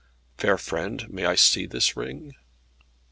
"Fair friend, may I see this ring?"